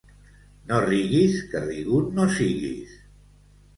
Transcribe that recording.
No riguis que rigut no siguis.